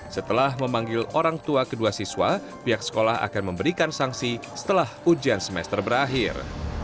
setelah memanggil orang tua kedua siswa pihak sekolah akan memberikan sanksi setelah ujian semester berakhir